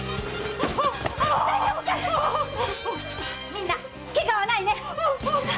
みんなケガはないね